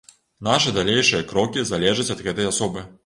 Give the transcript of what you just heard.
Нашы далейшыя крокі залежаць ад гэтай асобы.